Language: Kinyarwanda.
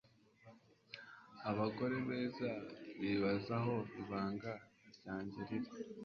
Abagore beza bibaza aho ibanga ryanjye riri